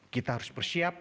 kita harus bersiap